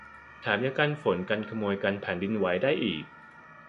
แถมยังกันฝนกันขโมยกันแผ่นดินไหวได้อีก